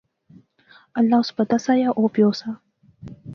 اللہ اس پتہ سا یا او پیو سا